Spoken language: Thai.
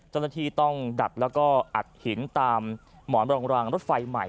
เจ้าหน้าที่ต้องดับแล้วก็อัดหินตามหมอนรองรางรถไฟใหม่